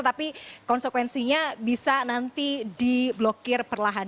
tapi konsekuensinya bisa nanti diblokir perlahan